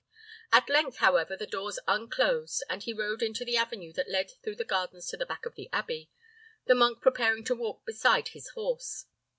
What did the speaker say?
At length, however, the doors unclosed, and he rode into the avenue that led through the gardens to the back of the abbey, the monk preparing to walk beside his horse.